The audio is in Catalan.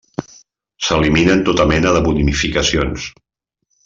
S'eliminen tota mena de bonificacions.